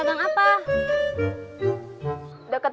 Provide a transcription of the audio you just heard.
bukan siapa yang ikuti